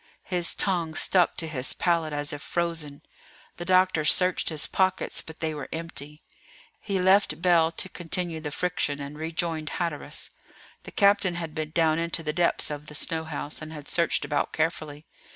His tongue stuck to his palate as if frozen. The doctor searched his pockets, but they were empty. He left Bell to continue the friction, and rejoined Hatteras. The captain had been down into the depths of the snow house, and had searched about carefully.